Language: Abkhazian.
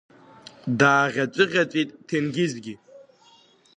Дааӷьаҵәыӷьаҵәит Ҭенгьизгьы.